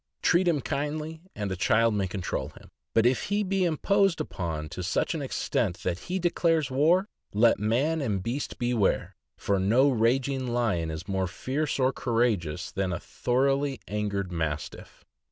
Treat him kindly, and a child may control him; but if he be imposed upon to such an extent that he declares war, let man and beast beware, for no raging lion is more fierce or courageous than a thor oughly angry Mastiff.